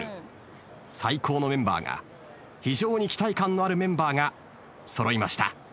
最高のメンバーが非常に期待感のあるメンバーが揃いました。